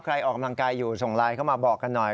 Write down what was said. ออกกำลังกายอยู่ส่งไลน์เข้ามาบอกกันหน่อย